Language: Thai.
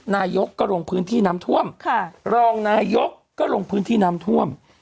นายกก็ลงพื้นที่น้ำท่วมรองนายกก็ลงพื้นที่น้ำท่วม